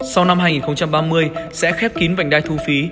sau năm hai nghìn ba mươi sẽ khép kín vành đai thu phí